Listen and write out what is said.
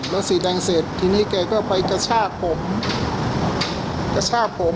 รถสีแดงเสร็จเขาก็ไปกระชากผม